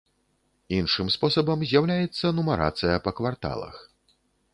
Іншым спосабам з'яўляецца нумарацыя па кварталах.